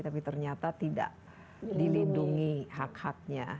tapi ternyata tidak dilindungi hak haknya